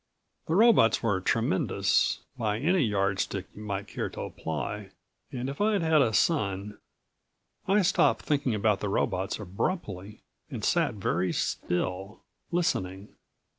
The robots were tremendous, by any yardstick you might care to apply, and if I'd had a son I stopped thinking about the robots abruptly and sat very still, listening.